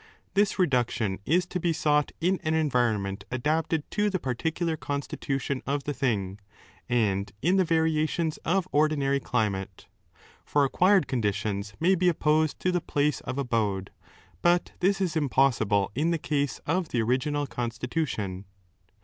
This reduction is to be sought in an environment adapted to the particular constitution of the thing and in the variations of ordinary climate. For acquired conditions may be opposed to the place of abode, but this is impossible in the case of the original constitution.